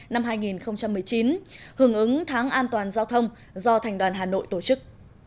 năm hai nghìn một mươi chín hưởng ứng tháng an toàn giao thông do thành đoàn hà nội tổ chức